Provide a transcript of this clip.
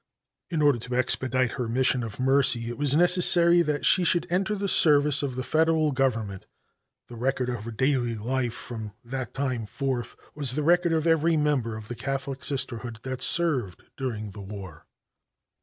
In order to expedite her mission of mercy it was necessary that she should enter the service of the Federal Government. The record of her daily life from that time forth was the record of every member of the Catholic Sisterhood that served during the war.